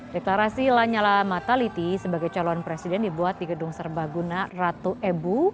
deklarasi lanyala mataliti sebagai calon presiden dibuat di gedung serbaguna ratu ebu